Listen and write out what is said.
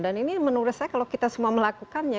dan ini menurut saya kalau kita semua melakukannya